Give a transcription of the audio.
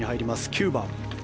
９番。